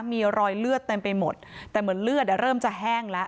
มีรอยเลือดเต็มไปหมดแต่เหมือนเลือดเริ่มจะแห้งแล้ว